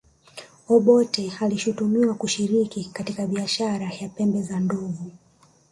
obote alishutumiwa kushiriki katika biashara ya pembe za ndovu